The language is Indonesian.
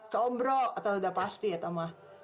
combro atau udah pasti ya tomah